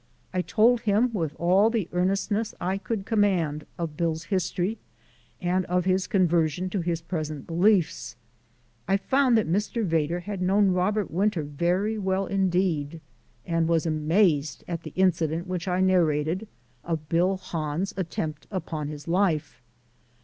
I told him with all the earnestness I could command of Bill's history and of his conversion to his present beliefs. I found that Mr. Vedder had known Robert Winter very well indeed, and was amazed at the incident which I narrated of Bill Hahn's attempt upon his life.